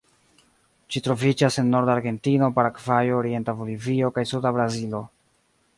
Ĝi troviĝas en norda Argentino, Paragvajo, orienta Bolivio, kaj suda Brazilo.